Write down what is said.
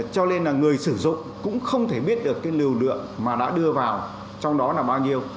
cho nên là người sử dụng cũng không thể biết được cái lưu lượng mà đã đưa vào trong đó là bao nhiêu